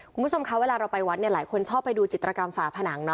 คุณผู้ชมคะเวลาเราไปวัดเนี่ยหลายคนชอบไปดูจิตรกรรมฝาผนัง